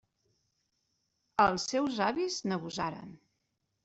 Els seus avis n'abusaren.